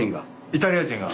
イタリア人が。